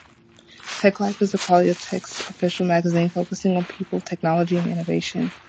Techlife is the polytechnic's official magazine, focusing on people, technology and innovation.